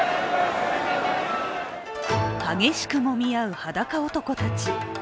激しくもみ合う裸男たち。